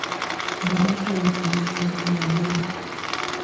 Babake alifanya kazi ya benki.